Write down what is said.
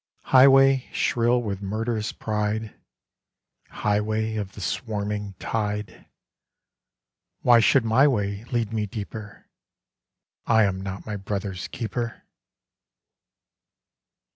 _) Highway, shrill with murderous pride, Highway, of the swarming tide! Why should my way lead me deeper? I am not my Brother's keeper.